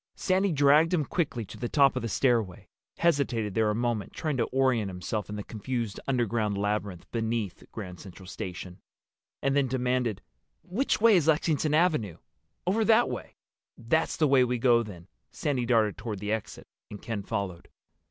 Sandy dragged him quickly to the top of the stairway, hesitated there a moment trying to orient himself in the confused underground labyrinth beneath Grand Central Station, and then demanded, "Which way is Lexington Avenue?" "Over that way." "That's the way we go then." Sandy darted toward the exit, and Ken followed.